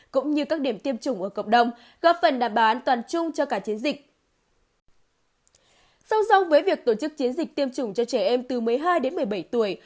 song song với việc tổ chức chiến dịch tiêm chủng cho trẻ em từ một mươi hai đến một mươi bảy tuổi